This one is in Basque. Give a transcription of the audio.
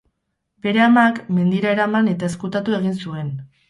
Bere amak, mendira eraman eta ezkutatu egin zuen.